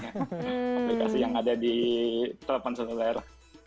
aplikasi yang ada di telepon seluler